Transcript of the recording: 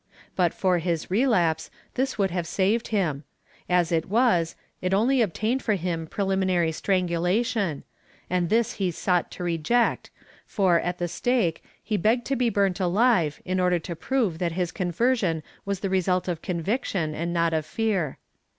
But for his relapse, this would have saved him; as it was, it only obtained for him preliminary strangulation and this he sought to reject for, at the stake, he begged to be burnt alive in order to prove that his conversion was the result of conviction and not of fear.